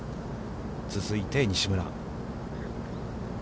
続いて、西村。